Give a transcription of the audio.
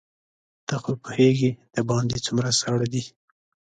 ته خو پوهېږې دباندې څومره ساړه دي.